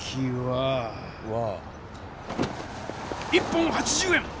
１本８０円！